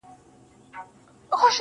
ژوند له قناعت نه خوږ دی.